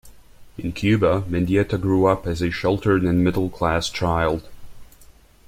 In Cuba, Mendieta grew up as a sheltered and a middle class child.